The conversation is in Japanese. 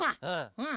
うん。